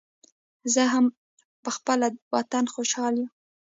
زه هم پخپل وطن خوشحال یم